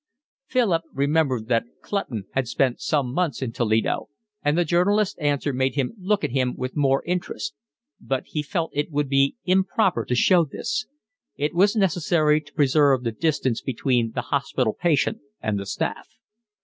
Philip remembered that Clutton had spent some months in Toledo, and the journalist's answer made him look at him with more interest; but he felt it would be improper to show this: it was necessary to preserve the distance between the hospital patient and the staff.